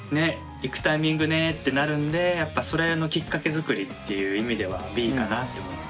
行くタイミングねってなるんでやっぱそれのきっかけ作りっていう意味ではＢかなって思って。